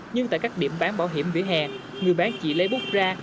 nhưng tại các điểm bán bảo hiểm vỉa hè người bán chỉ lấy bút ra